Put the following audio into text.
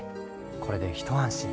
これで一安心。